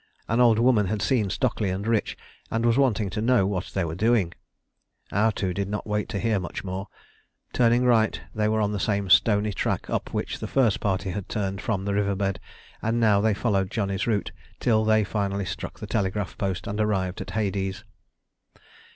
An old woman had seen Stockley and Rich and was wanting to know what they were doing. Our two did not wait to hear much more. Turning right, they were on the same stony track up which the first party had turned from the river bed, and now they followed Johnny's route till they finally struck the telegraph post and arrived at "Hades."